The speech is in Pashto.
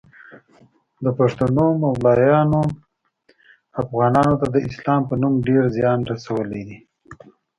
د پښتنو مولایانو افغانانو ته د اسلام په نوم ډیر ځیان رسولی دی